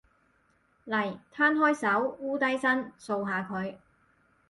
嚟，攤開手，摀低身，掃下佢